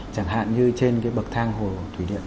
chẳng hạn như trên cái bậc thang hồ thủy điện